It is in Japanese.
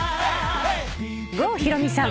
郷ひろみさん。